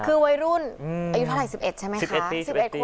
คือวัยรุ่นอายุเท่าไหร่๑๑ใช่ไหมค่ะ๑๑ปี๑๑ปี